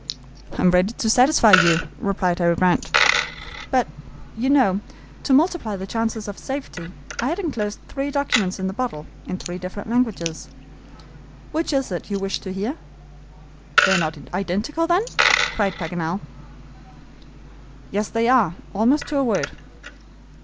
"I am ready to satisfy you," replied Harry Grant; "but, you know, to multiply the chances of safety, I had inclosed three documents in the bottle, in three different languages. Which is it you wish to hear?" "They are not identical, then?" cried Paganel. "Yes, they are, almost to a word."